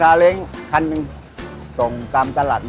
ระดับ๓หน้า